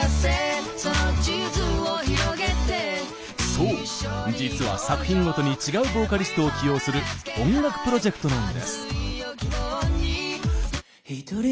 そう、実は、作品ごとに違うボーカリストを起用する音楽プロジェクトなんです。